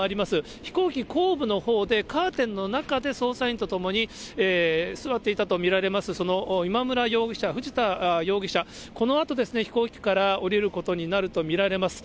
飛行機後部のほうでカーテンの中で捜査員と共に座っていたと見られます、その今村容疑者、藤田容疑者、このあと、飛行機から降りることになると見られます。